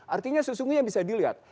artinya sesungguhnya bisa dilihat